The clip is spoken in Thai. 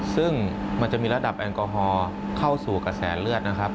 ซึ่งมันจะมีระดับแอลกอฮอล์เข้าสู่กระแสเลือดนะครับ